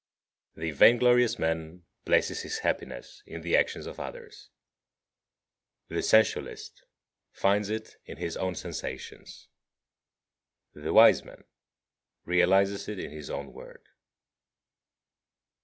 51. The vain glorious man places his happiness in the action of others. The sensualist finds it in his own sensations. The wise man realizes it in his own work.